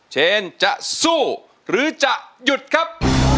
เชนจะสู้หรือจะหยุดครับ